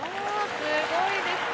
すごいですね。